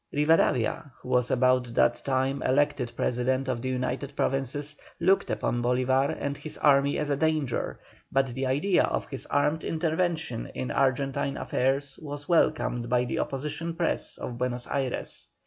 Rivadavia, who was about that time elected President of the United Provinces, looked upon Bolívar and his army as a danger, but the idea of his armed intervention in Argentine affairs was welcomed by the Opposition press of Buenos Ayres.